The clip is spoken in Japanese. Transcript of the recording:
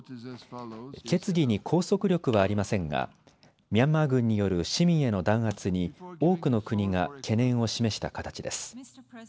決議に拘束力はありませんがミャンマー軍による市民への弾圧に多くの国が懸念を示した形です。